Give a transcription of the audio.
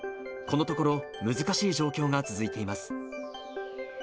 このところ、難しい状況が続いています。